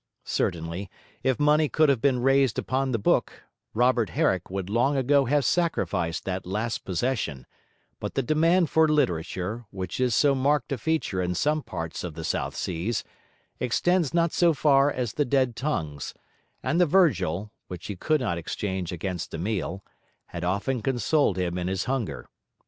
Certainly, if money could have been raised upon the book, Robert Herrick would long ago have sacrificed that last possession; but the demand for literature, which is so marked a feature in some parts of the South Seas, extends not so far as the dead tongues; and the Virgil, which he could not exchange against a meal, had often consoled him in his hunger.